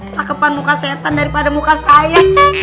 cakepan muka setan daripada muka saya